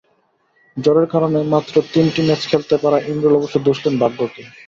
জ্বরের কারণে মাত্র তিনটি ম্যাচ খেলতে পারা ইমরুল অবশ্য দুষলেন ভাগ্যকে।